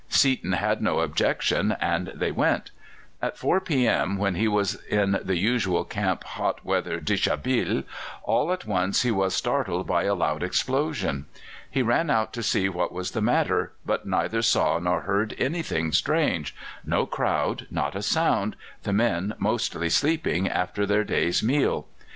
Seaton had no objection, and they went. At 4 p.m., when he was in the usual camp hot weather deshabille, all at once he was startled by a loud explosion. He ran out to see what was the matter, but neither saw nor heard anything strange no crowd, not a sound, the men mostly sleeping after their day's meal.